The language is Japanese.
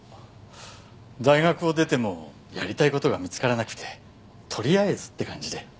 大学を出てもやりたい事が見つからなくてとりあえずって感じで。